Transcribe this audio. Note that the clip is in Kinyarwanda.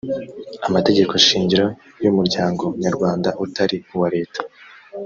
amategeko shingiro y umuryango nyarwanda utari uwa leta